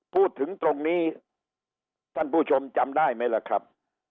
พูดถึงตรงนี้ท่านผู้ชมจำได้ไหมล่ะครับ